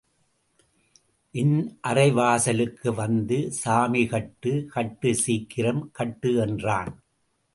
என் அறைவாசலுக்கு வந்து, சாமி கட்டு, கட்டு சீக்கிரம் கட்டு என்றான்.